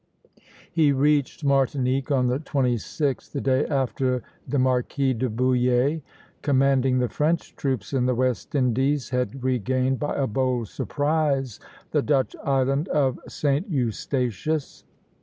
He reached Martinique on the 26th, the day after the Marquis de Bouillé, commanding the French troops in the West Indies, had regained by a bold surprise the Dutch island of St. Eustatius.